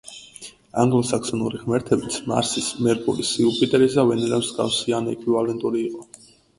ანგლო-საქსონური ღმერთებიც მარსის, მერკურის, იუპიტერის და ვენერას მსგავსი ან ექვივალენტური იყო.